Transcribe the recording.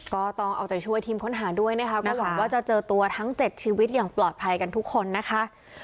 ก็ต้องเอาใจช่วยทีมค้นหาด้วยนะคะก็หวังว่าจะเจอตัวทั้ง๗ชีวิตอย่างปลอดภัยกันทุกคนนะคะ